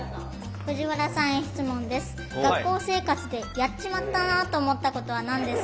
藤原さんへ質問です。